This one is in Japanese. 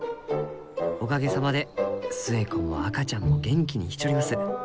おかげさまで寿恵子も赤ちゃんも元気にしちょります。